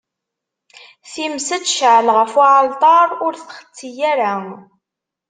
Times ad tecɛel ɣef uɛalṭar, ur txetti ara.